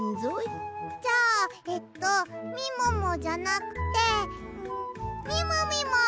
じゃあえっとみももじゃなくてみもみも！